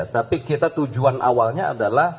tapi kita tujuan awalnya adalah